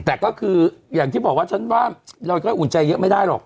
แต่ก็คืออย่างที่บอกว่าฉันว่าเราจะอุ่นใจเยอะไม่ได้หรอก